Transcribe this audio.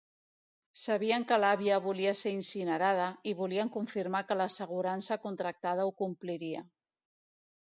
Sabien que l'àvia volia ser incinerada i volien confirmar que l'assegurança contractada ho compliria.